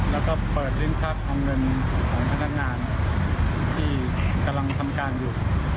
แล้วก็เปิดลิ้นชักเอาเงินของพนักงานที่กำลังทำการอยู่